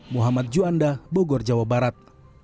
muhammad juanda bogor jawa barat